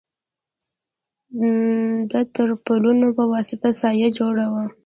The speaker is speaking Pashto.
د تر پالونو په وسطه سایه جوړه وه.